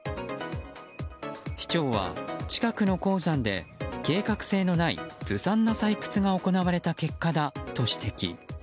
市長は近くの鉱山で計画性のないずさんな採掘が行われた結果だと指摘。